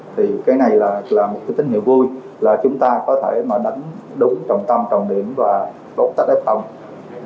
thì cái này là một cái tín hiệu vui là chúng ta có thể mà đánh đúng trọng tâm trọng điểm và bốc tắt f